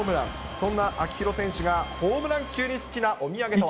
そんな秋広選手がホームラン級に好きなお土産とは？